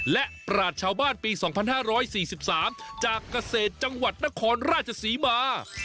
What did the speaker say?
และปราศชาวบ้านปี๒๕๔๓จากเกษตรจังหวัดนครราชศรีมา